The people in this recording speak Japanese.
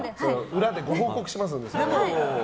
裏でご報告しますんで。